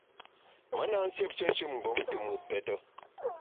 Me na nsiêpshe nshin-mgbom te mùt pète.